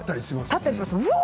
立ったりしますよ。